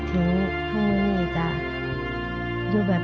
แค่ขอขอบความวิทยุมกิน